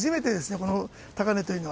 この高値というのは。